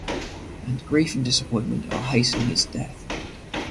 And grief and disappointment are hastening his death.